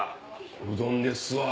うどんですわ。